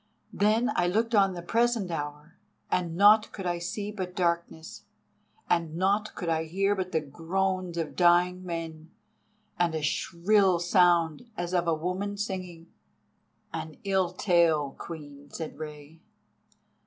Then I looked on the present hour, and naught could I see but darkness, and naught could I hear but the groans of dying men, and a shrill sound as of a woman singing." "An ill tale, Queen," said Rei.